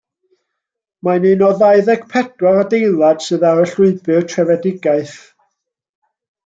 Mae'n un o ddau ddeg pedwar adeilad sydd ar y Llwybr Trefedigaeth.